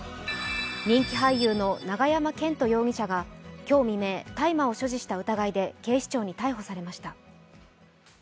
人気俳優の永山絢斗容疑者が今日未明、大麻を所持した疑いで警視庁に逮捕されました。